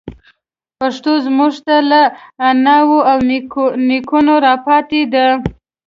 پښتو موږ ته له اناوو او نيکونو راپاتي ده.